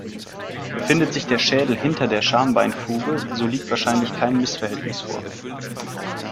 Befindet sich der Schädel hinter der Schambeinfuge, so liegt wahrscheinlich kein Missverhältnis vor.